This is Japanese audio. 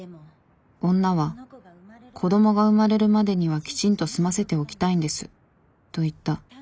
女は「子どもが生まれるまでにはきちんと済ませておきたいんです」と言った。